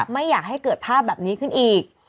ไม่อยากให้เกิดภาพแบบนี้ขึ้นอีก